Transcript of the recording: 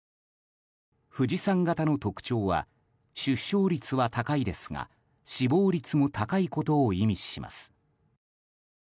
富士山型の特徴は出生率は高いですが死亡率も高いことを意味します。